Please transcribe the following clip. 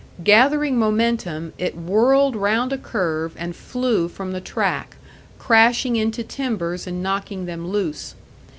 Gathering momentum, it whirled round a curve and flew from the track, crashing into timbers and knocking them loose.